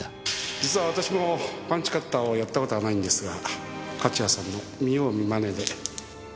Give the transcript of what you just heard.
実は私もパンチカッターをやった事はないんですが勝谷さんの見よう見まねで。